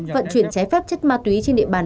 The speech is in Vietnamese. vận chuyển trái phép chất ma túy trên địa bàn